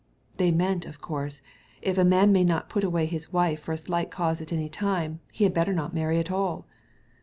They meant of course, " if a man may not put away his wife for a slight cause at any time, be had better not marry at all."